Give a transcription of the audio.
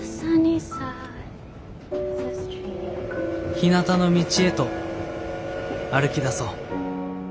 「ひなたの道へと歩きだそう」。